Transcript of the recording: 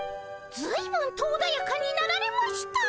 ずいぶんとおだやかになられました。